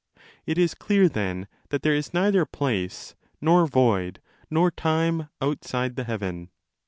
It is clear then that there is neither place, nor void, nor time, outside the heaven.